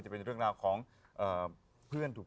พี่ยังไม่ได้เลิกแต่พี่ยังไม่ได้เลิก